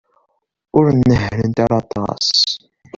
Ur nehhṛent ara aṭas.